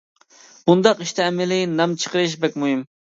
بۇنداق ئىشتا ئەمەلىي نام چىقىرىش بەك مۇھىم.